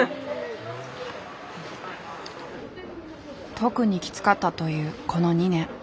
特にきつかったというこの２年。